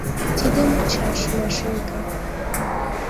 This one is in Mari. — Тиде мучаш, Машенька.